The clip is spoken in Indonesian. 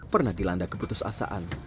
pernah dilanda keputus asaan